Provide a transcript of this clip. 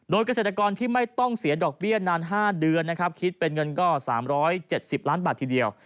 โดยเกษตรกรที่ไม่ต้องเสียดอกเบี้ยนาน๕เดือนนะครับคิดเป็นเงินก็๓๗๐ล้านบาททีเดียว